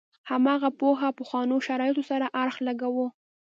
هماغه پوهه پخوانو شرایطو سره اړخ لګاوه.